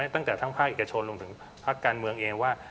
ตั้งแต่ทั้งภาคเอกชนรวมถึงภาคการเมืองเองว่า